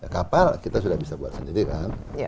kapal kita sudah bisa buat sendiri kan